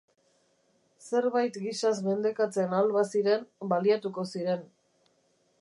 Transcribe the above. Zerbait gisaz mendekatzen ahal baziren, baliatuko ziren.